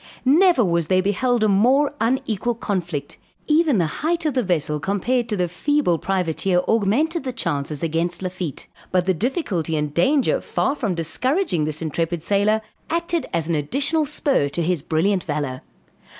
Never was there beheld a more unequal conflict; even the height of the vessel compared to the feeble privateer augmented the chances against Lafitte; but the difficulty and danger far from discouraging this intrepid sailor, acted as an additional spur to his brilliant valor.